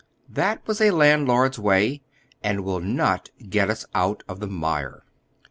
That was a landlord's way, and will not get ns out of the mire.